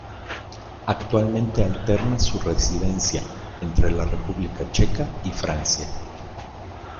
Actualmente alterna su residencia entre la República Checa y Francia.